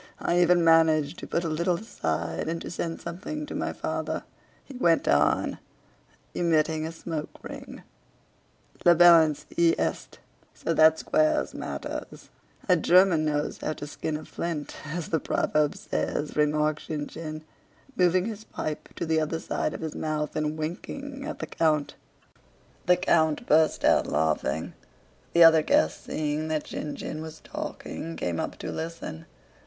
I even manage to put a little aside and to send something to my father," he went on, emitting a smoke ring. "La balance y est... * A German knows how to skin a flint, as the proverb says," remarked Shinshín, moving his pipe to the other side of his mouth and winking at the count. * So that squares matters. The count burst out laughing. The other guests seeing that Shinshín was talking came up to listen.